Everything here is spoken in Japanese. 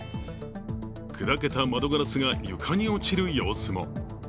砕けた窓ガラスが床に落ちる様子も。